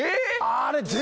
あれ？